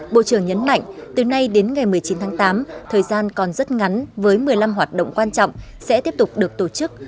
bộ trưởng nhấn mạnh từ nay đến ngày một mươi chín tháng tám thời gian còn rất ngắn với một mươi năm hoạt động quan trọng sẽ tiếp tục được tổ chức